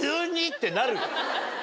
ってなるよ。